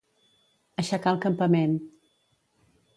Aixecar el campament.